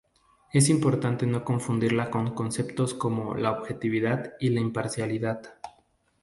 Es importante no confundirla con conceptos como la objetividad y la imparcialidad.